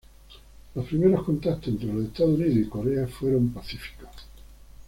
Los primeros contactos entre los Estados Unidos y Corea fueron pacíficos.